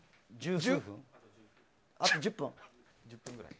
あと１０分？